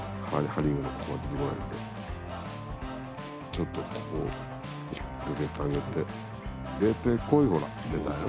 ちょっとここを引っ掛けてあげて出てこいほら出たよ。